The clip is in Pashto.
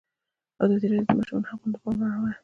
ازادي راډیو د د ماشومانو حقونه ته پام اړولی.